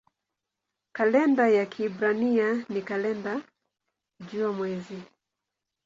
Kalenda ya Kiebrania ni kalenda jua-mwezi.